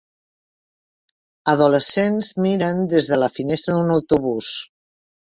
Adolescents miren des de la finestra d'un autobús